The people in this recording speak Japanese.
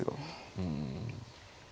うん。